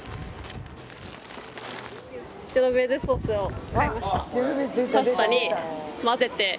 ジェノベーゼソースを買いました。